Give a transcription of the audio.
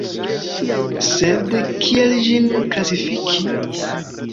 Sed kiel ĝin klasifiki?